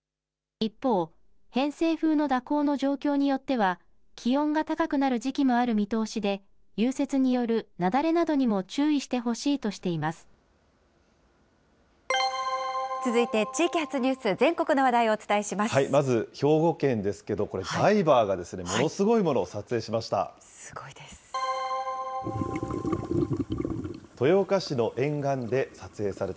一方、偏西風の蛇行の状況によっては、気温が高くなる時期もある見通しで、融雪による雪崩などにも注意続いて地域発ニュース、まず、兵庫県ですけど、ダイバーがものすごいものを撮影しました。